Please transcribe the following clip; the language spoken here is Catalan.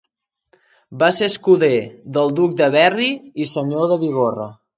Va ser escuder del Duc de Berry i senyor de Bigorra.